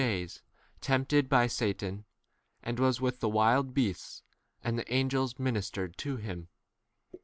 days tempted by Satan, and was with the wild beasts, and the angels ministered f to him.